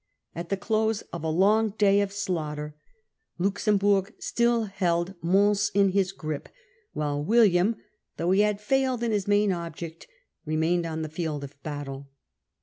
At the close of a long day of slaughter Luxemburg still held Mons in his grip, while William, though he had failed in his main object, remained on the field of battle.